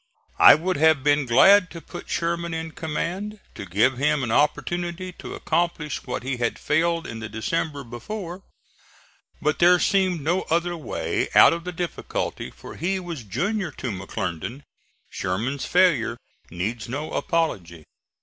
I would have been glad to put Sherman in command, to give him an opportunity to accomplish what he had failed in the December before; but there seemed no other way out of the difficulty, for he was junior to McClernand. Sherman's failure needs no apology.